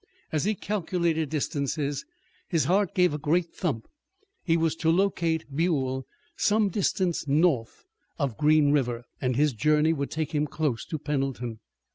As he calculated distances his heart gave a great thump. He was to locate Buell some distance north of Green River, and his journey would take him close to Pendleton.